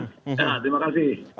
ya terima kasih